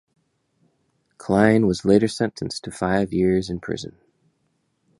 Klein was later sentenced to five years in prison.